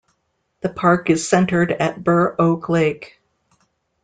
The park is centered at Burr Oak Lake.